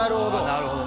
なるほどね。